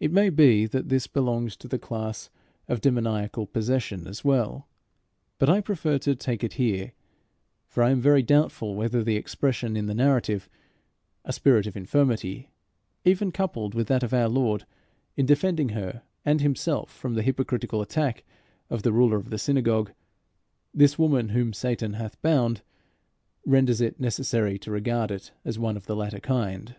It may be that this belongs to the class of demoniacal possession as well, but I prefer to take it here; for I am very doubtful whether the expression in the narrative "a spirit of infirmity," even coupled with that of our Lord in defending her and himself from the hypocritical attack of the ruler of the synagogue, "this woman whom Satan hath bound," renders it necessary to regard it as one of the latter kind.